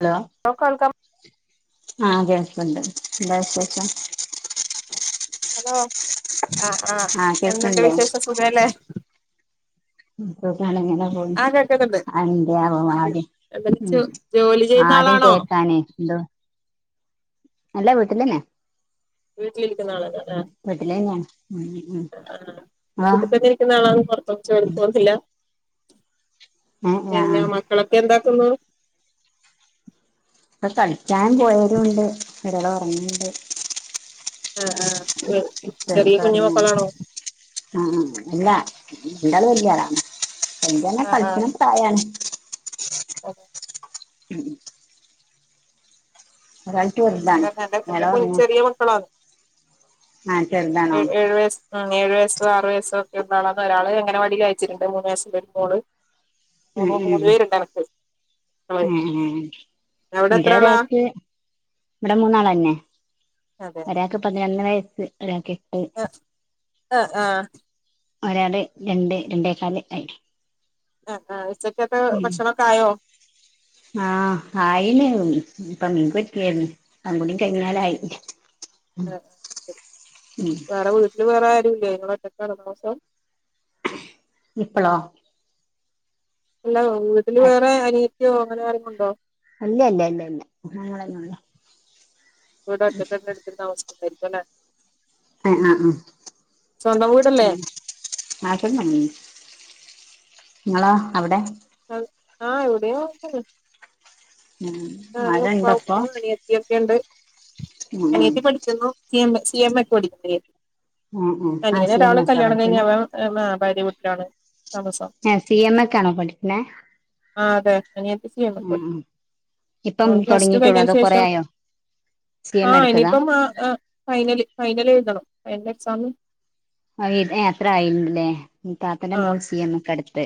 Hello നോക്ക ക [unintelligible] ആ അ കേൾക്ണ്ട് എന്താ വിശേഷം ഹലോ ആഹ് ആഹ് എന്തുണ്ട് വിശേഷം സുഖഅല്ലേ ഉം സുഖാണ്അങ്ങനെ പോണ് ആഹ് കേൾക്കുന്നുണ്ട് അംഗനവാടി എന്തെലും ഉം ജോ ജോലി ചെയ്യുന്ന ആദ്യം ആളാണോ കേക്കാനെ എന്തോ അല്ല വീട്ടിലെന്നെ വീട്ടിലിരിക്കുന്ന ആളാല്ലെ വീട്ടിലെന്നെണ് ഉം ഉം ആഹ് വീട്ട് തന്നെ നിക്ക്ന്ന ആളാണ് പൊർതൊന്നുംജോലിക്ക് പോണംന്നില്ല ഏഹ് ആഹ് പിന്നെ മക്കളൊക്കെ എന്താക്കുന്നു ഇപ്പ കൾച്ചാൻ പോയതുംണ്ട് ഒരാള് ഒറങ്ങ്ണ്ട് ആഹ് ആഹ് ചെറിയ കുഞ്ഞു ചെർതൊറങ്ങി മക്കളാണോ ഉം ഉം അല്ല ഇന്റെ ആള് വെല്യ ആളാണ് കല്യാണം ആഹ് കഴിക്ക്ണ പ്രയാണ് ആഹ് ഉം ഉം ഒരാള് ഉം ചെറുതാണ് ഏ ന്റെ എന്റെ അയാള് ക്കു ൽ ഒറങ്ങാ ചെറിയമക്കളാണ് ആഹ് ചെറുതാണോ ഏഴ് ഉം ഏഴു വയസ്സ് ആഹ് ഏഴ് വയസ്സ് ആറ് വയസ്സ് ഒക്കെ ഒള്ള ആളാണ് ഒരാള് അങ്ങനവാടി അയച്ചിട്ടുണ്ട് മൂന്ന് വയസ്സിൽ ഒരു മോള് മൂന്നോ മൂന്ന് ഉം പേര്ണ്ട് എനക്ക് ഉം ഏഹ് അവിടെ എത്രളാ ഇവടെ മൂന്നാളെന്നെ അതെ ഒരാൾക്ക് പതിനൊന്ന് വയസ്സ് ഒരാൾക്ക് എ ആഹ് ആഹ് ആഹ് ഒരാള് രണ്ട് രണ്ടേക്കാല് ആയി ആഹ് ആഹ് ഉച്ചക്കത്തെ ഉം ഭക്ഷണം ഒക്കെ ആയോ ആഹ് ആയിണ് ഉം ഇപ്പ മീൻ പൊരിക്കേര്ന്ന് അതും കൂടി കഴിഞ്ഞാലായി അഹ് ശെരി ഉം വേറെ വീട്ടില് വേറെ ആരും ഇല്ലേ ങ്ങള് ഒറ്റക്കാണോ താമസം ഇപ്പളോ അല്ല വീട്ടില് വേറെ അനിയത്തിയോ അങ്ങനെ ആരെങ്കുണ്ടോ അല്ല അല്ല അല്ല പിന്നെ ഞങ്ങളെന്നെ ഒള്ളു വീട് ഒറ്റക്കൊക്കെ ഇട്ത്ത്ട്ട് താമസിക്കുന്നായിരിക്കും അല്ലെ [unintelligible] ണ് സ്വന്തം വീടല്ലേ പിന്നെ നാട്ട് [unintelligible] ന്നെ ഇങ്ങളോ അവ്ടെ അഹ് ആഹ് ഇവിടെയും അത് ഒക്കെ തന്നെ ഉം ഞാന് മഴ ഉപ്പ ഇണ്ടപ്പോ ഉമ്മ അനിയത്തി ഒക്കെ ഇണ്ട് ഉം ഉം അനിയത്തി പഠിക്കുന്നു C M C M A പഠിക്കാണ് അനിയത്തി ഉം ഉം ആഹ് അനിയൻ സി എം ഒരാള് എക്കാ കല്യാണം കഴിഞ്ഞ് പഠിക്കണെ അവൻ [unintelligible] ഭാര്യ വീട്ട്ലാണ് ഏ സി എം എക്കാണോ പഠിക്ക്ണേ ആഹ് അതെ അനിയത്തി സി. എം ക്ക് പഠിക്കുന്നു ഉം ഇപ്പം അവള് പ്ലസ് ടു തൊടങ്ങിയിട്ടുള്ളോ കഴിഞ്ഞേന് അതോ കൊറേ ശേഷം ആയോ സി എം ആഹ് എടുത്തതാ ഇനിയിപ്പം ആഹ് ഇഹ് ഫൈനല് ഫൈനല് എഴുതണം ഫൈനല് എക്സാമ് അയിതെ ഏ അത്ര ആയിണ്ല്ലേ ൻ താത്തന്റെ ആഹ് മോള് സി. എം. ക്കാ എടുത്ത്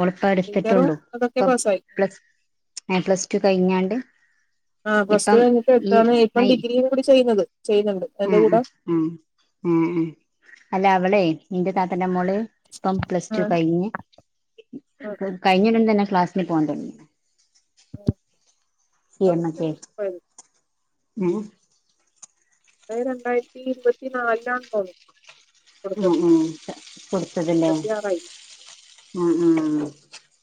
ഓള് ഇന്ററും പ്പട്ത്ത്ട്ടൊള്ളൂ അതൊക്കെ ഇപ്പം പാസ്സായി പ്ലസ് ഏ പ്ലസ് ടു കഴിഞ്ഞാണ്ട് ആഹ് പ്ലസ് ടു ഇപ്പം കഴിഞ്ഞിട്ട് ഈ എടുത്തതാണ് ഇപ്പം ആഹ് ഡിഗ്രിയും കൂടെ ചെയ്യ്ന്നത് ചെയ്യ്ന്ന്ണ്ട് അയ്ന്റെ കൂടെ ഉം ഉം ഉം അല്ല അവളേയ് നിന്റെ താത്തന്റെ മോള് പ്പം പ്ലസ് ടു ആഹ് കഴിഞ്ഞ് ആഹ് കഴിഞ്ഞുടൻ തന്നെ ക്ലാസ്സിന് പോകാൻ തുടങ്ങിക്ക്ണ് അഹ് സി എം എക്കെയ് ഉം അതായത് രണ്ടായിരത്തി ഇരുപത്തി നാലില് ആണ് തോന്നും ഉം ഉം കൊടുത്തത് ല്ലേ ഇരുപത്തി ആറായില്ല ഉം ഉം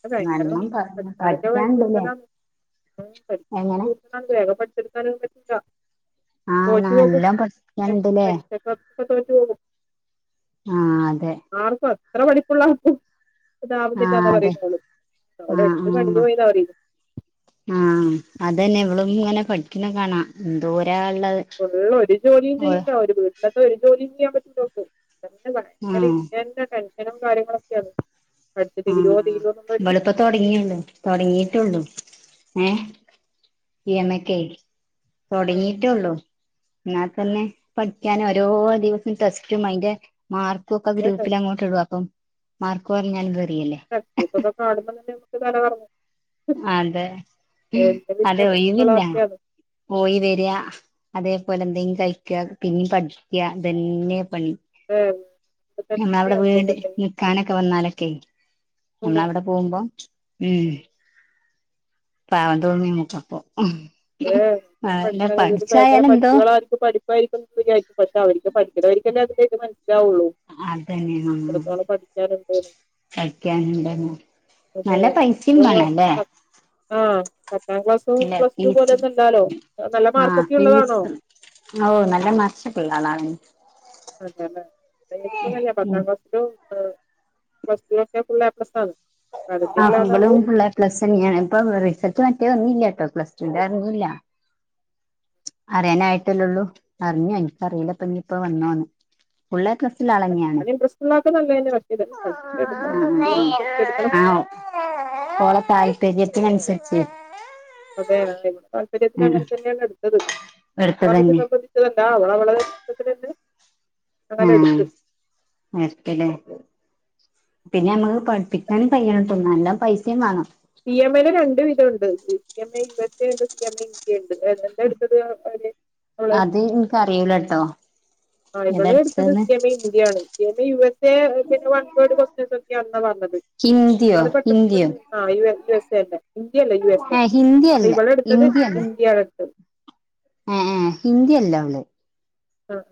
ആഹ് ഭയങ്കരം നല്ലോം പഠിക്കാൻ ഒക്കെ ഭയങ്കര പഠിക്കാനുണ്ടല്ലേ കൂടുതലാണ് ഉം പഠിക്കാൻ എങ്ങനെ കു - ആ വേഗം പഠിച്ചെടുക്കാൻ ഒന്നും പറ്റൂല്ല ആഹ് തോറ്റു പോകും നല്ലോം പഠിക്കാനുണ്ടല്ലേ പരീക്ഷക്ക് ഒക്കെ ഇപ്പ തോറ്റു പോകും ആഹ് അതെ ആർക്കും അത്ര പഠിപ്പുള്ള ആർക്കും ഇതാവുന്നില്ല എന്ന പറയും ആഹ ആഹ് പറയുന്നത് ആഹ് അതന്നെ ഇവളും ഇങ്ങനെ പഠിക്കുന്ന കാണാ എന്തോര ഒള്ളത് ഇവിടെ ഒള്ള ഒരു ജോലിയും ചെയ്യൂല്ല ഒരു വീട്ടിനത്ത് ഒരു ജോലിയും ചെയ്യാൻ പറ്റൂല്ല അവൾക്ക് ആഹ് [inaudible] ടെൻഷനും കാര്യങ്ങളൊക്കെയാന്ന് പഠിച്ച് തീരുവോ തീരുവോന്നുള്ളൊര് തൊടങ്ങിയല്ലോ തൊടങ്ങീട്ടൊള്ളു ഏഹ് ഇ എം എ ക്കെ തൊടങ്ങീട്ടെള്ളൂ എന്നാതന്നെ പഠിക്കാനൊരോ ദിവസം ടെസ്റ്റും അയിന്റെ മാർക്കു ഒക്ക ഗ്രൂപ്പിലങ്ങോട്ട് ഇടും അപ്പം മാർക്കു കൊറിഞ്ഞാലും വെറിയല്ലെ പ്ലസ് ടുത്തൊക്കെ കാണുമ്പം തന്നെ നമ്ക്ക് തല കറങ്ങും അതെ എന്റെ അതെ വലിയ ഒഴിവില്ല ബുക്കുകളൊക്കെയാണ് പോയി വര്യാ അതെപോലെന്തെങ്കി കയിക്ക പിന്നേം പഠിക്ക ഇതന്നെ പണി എന്ന അവിടെ തന്നെയാണ് വീട് ഇവളുടെ നി ക്കാനൊക്കെ വന്നാലൊക്കെ ഉം. നമ്മള അവിടെ പോകുമ്പം ഉം പാവം തോന്നും നമുക്കപ്പോ ഉം ഏ, ഉം അല്ല പഠിച്ചായാലെന്തോ പ്പ പഠിപ്പായിരിക്കും ന്ന് വിചാരിക്കും പക്ഷെ അവര്ക്ക് പഠിക്കണവര്ക്കന്നെ അതിലെ ഇത് മനസ്സിലാവുള്ളൂ അതന്നെ ന എത്രത്തോളം പഠിക്കാനുണ്ട് എന്ന്. പഠിക്കാനുണ്ടെന്ന് നല്ല പൈസിം വേണല്ലേ ആഹ് പത്താം ക്ലാസ്സും നല്ല പ്ലസ് ടു പോലെ ഫീസ് ഒന്നു അല്ലാലോ നല്ല മാർക്കൊക്കെ ഉള്ളതാണോ ഓഹ് നല്ല മാച്ചെക്കെ ഉള്ളാളാണ് അതെ അല്ലെ [unintelligible] പത്താം ഉം ക്ലാസ് രു അ പ്ലസ് ടുലെക്കെ ഫുള്ള് എ പ്ലസ്സാണ് ആഹ് ഇവളും ഫുള്ള് എപ്ലസന്നെയാണ് ഇപ്പൊ റിസൾട്ട് മറ്റേ വന്നില്ല്യാ ട്ടോ പ്ലസ് ടു ന്റ അറിഞ്ഞില്ല അറിയാനായിട്ടല്ലള്ളൂ അറിഞ്ഞയ്ന് എനിക്കറിയില്ലപ്പ നീയിപ്പ വന്നോന്ന് ഫുള്ളെ എ പ്ലസ്സിലാണ് പഠിക്കാനും പ്രശ്ന ഇല്ലാത്തതല്ലെല് പഠിച്ചെ പഠിച്ചെടുക്കണം എന്തുവാന്നും പഠിച്ചെടുക്കണം ഓള താൽപര്യത്തിനന്സരിച്ച് അതെ അല്ലെ താല്പര്യത്തിന് ഉം അങ്ങന തന്നെയാണ് എടുത്തത് [inaudible] എടുത്തതന്നെ ഇത് ലെന്താ അവളവളതായി ഇഷ്ടത്തിനന്നെ അങ്ങനെ ഉം എടുത്ത്. ക്കല്ലേ പിന്നെ അമ്മക്ക് പഠിപ്പിക്കാനും കയ്യണെട്ടോ നല്ല പൈസേം വെണം. സി എം എ ല് രണ്ട് വിധം ഒണ്ട് C M A U S A ഒണ്ട് സി എം എ ഇന്ത്യ ഒണ്ട് ഇതിലേതാ ഉം അത് ഇന്ക്ക് അറിയില ട്ടോ ആഹ് ഇവള് എടുത്തത് സി എം എ ഇന്ത്യയാണ് C M A U S A പിന്ന് വൺ വേർഡ് കൊസ്റ്റിയൻസ് ഒക്കെയാണ്ന്ന പറഞ്ഞത് ഹിന്ദിയോ ഇന്ത്യയോ ആഹ് യു എസ് എ അല്ലെ ഇന്ത്യ അല്ല യു എസ് എ ഏ ഹിന്ദി അപ്പ അല്ല ഇവളെടുത്തത് ഇന്ത്യ ആണ് ഉം ഉം ഹിന്ദി അല്ല അവള് ആഹ്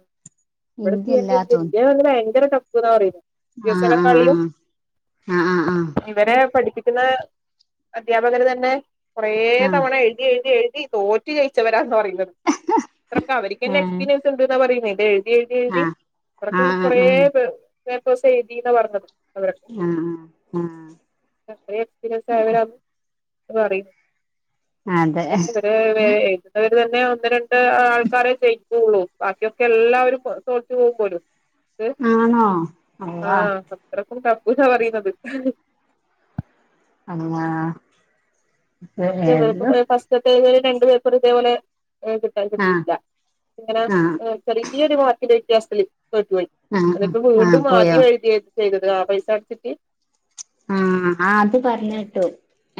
ഇവ്ട ഹിന്ദി സി എം എ അല്ലാ ഇന്ത്യ ല്ലെ തോന്നു ഇന്ത്യ പറഞ്ഞ ഭയങ്കര ടഫഫ്ന്നാ പറയുന്ന യു ആ എസ് എ നെ ആ കാളിലും ആ ആ ഇ ഇത് വരെ പഠിപ്പിക്കുന്ന അധ്യാപകര് തന്നെ കൊറേ ആ ആ ആ തവണ എഴുതി എഴുതി എഴുതി തോറ്റ് ജയിച്ചവരാന്ന പറയുന്നത് ഇത്രൊക്ക അവര് ക്കന്നെ എക്സ്പീരിയൻസ് ഒണ്ട്ന്നാ പറയുന്നെ ഇത് എഴുതി എഴുതി ആ ആ എഴുതി ആ കൊറച്ചൂടി ആ കൊറേ പേ പേപ്പർസ് എഴതീന്ന പറഞ്ഞത് അവര് ഉം ഉം ഉം അത്രേ എക്സ്പീരിയൻസ് ആയവരാ എന്ന് പറയ് അതെ എന്ന് ഇവര് വെ എഴുതുന്നവര് തന്നെ ഒന്ന് രണ്ട് ആൾക്കാരെ ജെയ്യ്ക്കുള്ളൂ ബാക്കിയൊക്കെ എല്ലാവരും തൊ തോറ്റ് പോകും പോലും, ത് ആണോ അള്ളാ ആഹ് സ അത്രക്കും ടഫ്ന്നാ പറയ്ന്നത് അങ്ങാ സത്യ ഇവര്ക്കും അ ഫസ്റ്റത്തെ ഏതേലും രണ്ട് പേപ്പർ ഇതേപലെ [unintelligible] ക്കത് ആഹ് കട്ടീട്ടില്ല അങ്ങന ആഹ് അ ചെറിയൊര് മാർക്കിന്റെ വ്യത്യാസത്തില് തോറ്റ് പോയി ആഹ് അതിപ്പോ ആഹ് ആഹ് വീണ്ടും പോയോ ആദ്യം എഴുതിയത് ചെയ്തത് ആ പൈസ അടച്ചിട്ട് ആഹ് അ അത് പറഞ്ഞ കെട്ടു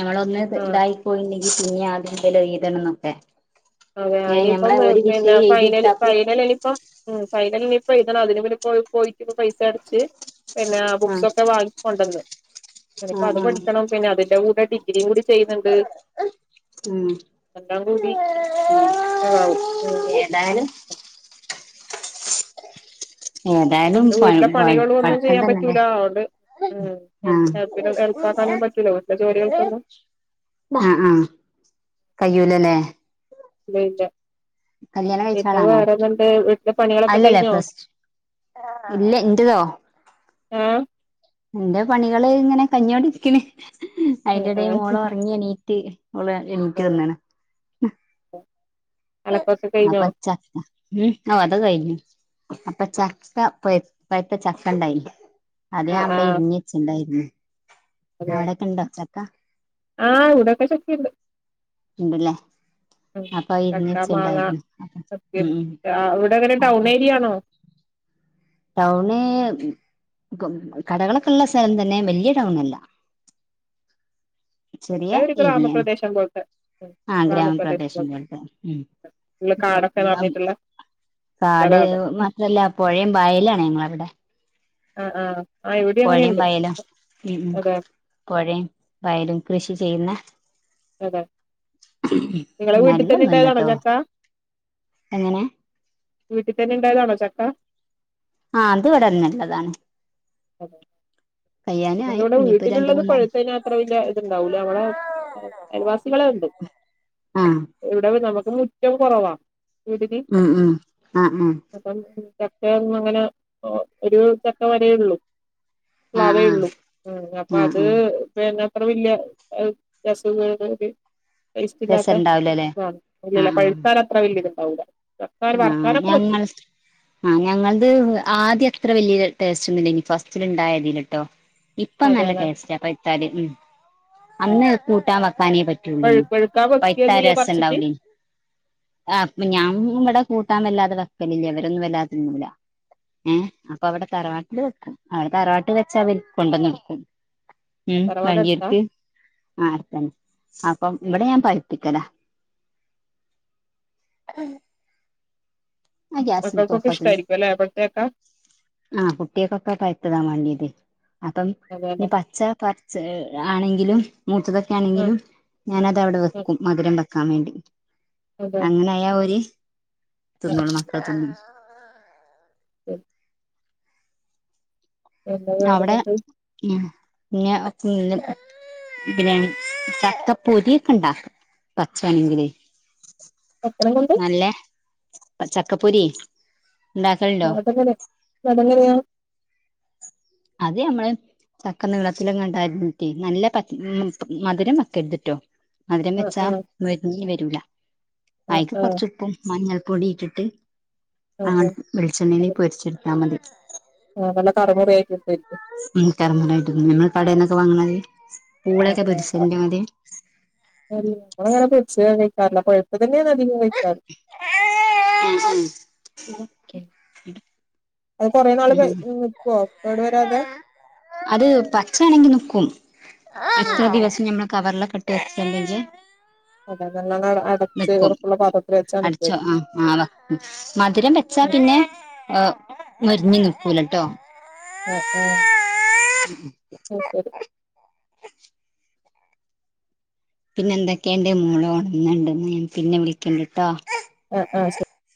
അവളൊന്ന് ത് ആഹ് ഇതായി പോയില്ലെങ്കി പിന്നേം ആദ്യം മുതൽ എഴുതണം എന്നൊക്കെ അതെ ഏഹ് അവനിപ്പം ഞമ്മളെ ഒരു പിന്നെ വിഷയം ഫൈനൽ എഴുതിയെടുത്താക്കും ഫൈനലനിപ്പം ഉം ഫൈനൽ ഇനിയിപ്പോ എഴുതണം അതിന് പിന്നെ പോയി പോയിട്ട് ഇപ്പ പൈസ അടച്ച് പിന്നെ ആഹ് ബുക്സ്ഒക്കെ വാങ്ങി കൊണ്ടന്നു ഇനിപ്പോ ആഹ് അത് ആഹ് പഠിക്കണം പിന്നെ അതിന്റെ കൂടെ ഡിഗ്രിയും കൂടി ചെയ്യുന്നുണ്ട് ഉം എല്ലാം കൂടി എവാവൂ അ് എതായാലും ഏതായാലും പൺ വീട്ടിലെ പട് പണികളും ഒന്നും പഠിത്തം ചെയ്യാൻ തന്നെല്ലേ പറ്റൂല അതുകൊണ്ട് ഉം ഹെൽപ്പിന് ഹെൽപ്പാക്കാനൊന്നും പറ്റൂല വീട്ടിലെ ജോലികൾക്കൊന്നും മ് ആഹ് ആഹ് കയ്യൂലല്ലേ ഇല്ല ഇല്ല കല്യാണം കഴിച്ച പിന്നെ ആളാണോ വേറെന്ത്ണ്ട് വീട്ടിലെ പണികളൊക്കെ അല്ലല്ല കഴിഞ്ഞോ പ്ലസ് ടു ഇല്ല ഇന്റതോ ആഹ് ഇന്റെ പണികള് ഇങ്ങനെ കഴ്ഞ്ഞോണ്ടിരിക്കണ്, ഉം അയിന്റെടേൽ ഉം മോള് ഉറങ്ങ്യണീറ്റ് ഓള് എണീറ്റ് അതെ വന്ന്ണ് അലക്കൊക്കെ ആഹ് കഴിഞ്ഞോ പച്ചാ ഉം ഓഹ് അത് കഴിഞ്ഞു അപ്പൊ ചക്ക പഴു പഴ്ത്ത ചക്ക ഉണ്ടായിന് അത് ഞാൻ ആഹ് ഇവിടെ ആഹ് എരിഞ്ഞ് വെച്ചിണ്ടായിരുന്നു, അതെ അവിടൊക്കെ ണ്ടോച്ചക്ക ആഹ് വിടൊക്കെ ചക്ക ണ്ട് ഇണ്ട്ല്ലേ ഉം അപ്പൊ അഅ് എരിഞ്ഞു ചക്ക വച്ചത് മാങ്ങ ണ്ടായിരുന്നു ഉം ഉം [unintelligible] യാണോ ടൗണ് കടകളൊക്കെ ഇള്ള സ്ഥലം തന്നെ വലിയ ടൗണല്ല ചെറിയ ഇവിടെ ഒരു ഏരിയയാണ് ഗ്രാമപ്രദേശം പോലത്തെ ഉം ആ ഗ്രാമപ്രദേശം പോല പോലത്തെ ഉം ഉള്ള് കാടൊക്കെ ഇപ്പൊ നെറഞ്ഞിട്ടുള്ളെ കാട് മാത്രല്ല പുഴയും വയലാണ് ഞങ്ങളവിടെ ആഹ് ആഹ് ആഹ് എവിടേം പുഴയും അങ്ങനെയുണ്ട് വയലും ഉം ഉം അതെ പുഴയും വയലും കൃഷി ചെയ്യുന്ന അതെ ഹ്ഹ് ഹ് ഉം ങ്ങളെ വീട്ടിൽ തന്നെ ഇണ്ടായ് താണോ ചക്ക എങ്ങനെ വീട്ടിൽ തന്നെ ഇണ്ടായതാണോ ചക്ക ആ അത് ഇവിടെന്ന ള്ളതാണ് അതെ നമുക്ക്‌ കയ്യാനായി ഇവിടെ ഇനിയിപ്പോ രണ്ട് വീട്ടിലുള്ളത് മൂന്നാല് പഴുത്തയ്ഞ്ഞാ അത്ര വല്യേ ഇത്ണ്ടാവൂല നമ്മളെ അയൽവാസികളെ ഉണ്ട് ആഹ് ഇവിടെ പിന്നെ നമുക്ക് മുറ്റം കുറവാ വീട്ടില് ആഹ് ആഹ് ആഹ് ആഹ് അപ്പം ചക്ക ഒന്നങ്ങനെ ഓ ഒരു ചക്ക വരേഉള്ളൂ ആഹ് ആഹ് പ്ലാവേ ള്ളൂ ആഹ് ഉം അപ്പൊ അത് ആഹ് ആഹ് പിന്ന അത്ര വല്യ ര രസോന്നും [unintelligible] ടേസ്റ്റ്ല്ലാത്ത രസണ്ടാവൂലല്ലേ ആ ഇല്ലല്ല പഴുത്താലത്ര വല്യത് ണ്ടാവൂല ആ ഞങ്ങൾ സ് ആ ഞങ്ങൾത് ആദ്യ അത്ര വല്യ ടേസ്റ്റൊന്നുല്യയ്ന് ഫസ്റ്റിലിണ്ടായതില് ട്ടോ ഇപ്പൊ നല്ല അതാണ് ടേസ്റ്റാ പഴ്ത്താല് ഉം അന്ന് കൂട്ടാൻ വെക്കാനേ പഴു പറ്റുള്ളയ്ന് പഴുക്കാൻ വെക്കുക ചെയ്യാ പൈത്താരസം പറിച്ചിട്ട് ഉണ്ടാവൂലേയ്ന് ആ പ്പ ഞാൻ ഇവ്ടെ കൂട്ടാൻ വല്ലാതെ വെക്കലില്ല ഇവരൊന്നും വല്ലാതെതിന്നൂല ഏ അപ്പൊ അവിടെ തറവാട്ടില് വെക്കും അവിടെ തറവാട്ടില് വെച്ചാ അവര് കൊണ്ടന്നെരും ഉം തറവാട് അടുത്താ വേണ്ടിയര്ക്ക് ആർത്തെ അപ്പം ഇവിടെ ഞാൻ പഠിപ്പിക്കലാ ഉം മക്കൾക്കൊക്കെ ഓഫാക്കണെ ഇഷ്ട്ടായിരിക്കും അല്ലേ പൊഴ്ത്ത ചക്ക ആ കുട്ട്യാക്കൊക്കെ പഴുത്തതാ മാണ്ട്യത് അപ്പം ഈ അതെല്ലേ പച്ച പ ച്ച ആണെങ്കിലും മൂത്തതൊക്കെ ആ ആണെങ്കിലും ഞാനത് അവ്ടെ വെക്കും മധുരം വെക്കാൻ വേണ്ടി അതെ അങ്ങനെയാ ഓര് തിന്നോളും മക്കൾ തിന്നും ഉം എന്താ [unintelligible] ഉം ഞ്ഞാ [unintelligible] ഉം പിന്നെ ചക്ക പൊരിക്കെണ്ടാക്കും പച്ചേണെങ്കില് എപ്പ്ളേം കൊണ്ട് നല്ലേ ചക്കപ്പൊരി ഉണ്ടാക്കലുണ്ടോ [unintelligible] അതെങ്ങനെയാ അത് ഞമ്മള് ചക്ക നീളത്തിലങ്ങാണ്ട് അര്ഞ്ട്ട് നല്ല തക് മധുരം വെക്കര്ത് ട്ടോ മധുരം ആ വെച്ചാ ആ മൊര്ഞ് വരൂല ആ അയ്ക്ക് ആ കൊർച്ച്പ്പും മഞ്ഞൾപ്പൊടി ഇട്ടിട്ട് ആ അങ്ങന ആ വെളിച്ചെണ്ണയില് ശരി. പൊരിച്ചെടുത്താ മതി ആ നല്ല കറ് മുറ യായിട്ട് കിട്ടേര്ക്കും ഉം കറു മുറേ ആയ്ട്ട് ത്ന്നും കടയിന്നൊക്കെ വാങ്ങ്ണാതിരി പൂളൊക്കെ പൊര്ച്ചന്റെ മാതിരി അമ്മള് അങ്ങനെ പൊരിച്ചേ ഒന്നും കഴിക്കാറില്ല പഴുത്തതന്നെയാണ് അധികും കഴിക് ആഹ് ആഹ് അത് കൊറേ നാള് കെ ഉം നിക്കുവോ കേടുവരാതെ അത് പച്ചയാണെങ്കി നിക്കും ആ എത്ര ആ ദിവസം നമ്മള് കവറിലെക് [unintelligible] അത നല്ല അടച്ച് ഉറപ്പുള്ള പത്രത്തിൽ വച്ച നിക്കുവാരികും ഉം ആണ് മധുരം വെച്ചാ ഉം. പിന്നെ മൊരിഞ്ഞു നിക്കൂലട്ടോ ആഹ് ആഹ് ആയ്ശരി പിന്നെ എന്തൊക്കെയ എന്റെ മോളോണന്നണ്ട ഞാൻ പിന്നെ വിളിക്കണ്ടിട്ടോ ആ ആ ശെരി